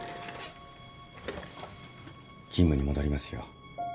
勤務に戻りますよ。